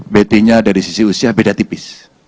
betinya dari sisi usia beda tipis